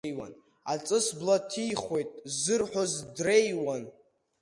Аҵыс бла ҭихуеит ззырҳәоз дреиуан.